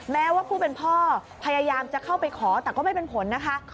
แม้ว่าผู้เป็นพ่อพยายามจะเข้าไปขอแต่ก็ไม่เป็นผลนะคะ